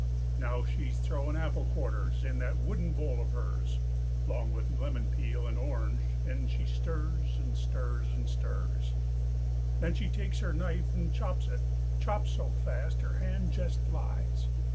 Now she's throwin' apple quarters In that wooden bowl of hers, 'Long with lemon peel and orange, An' she stirs, an' stirs, an' stirs. Then she takes her knife an' chops it, Chops so fast her hand jest flies.